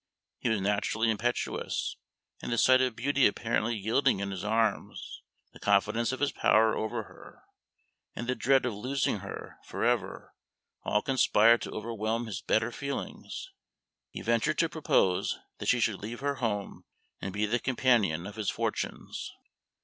He was naturally impetuous, and the sight of beauty apparently yielding in his arms, the confidence of his power over her, and the dread of losing her forever all conspired to overwhelm his better feelings: he ventured to propose that she should leave her home and be the companion of his fortunes.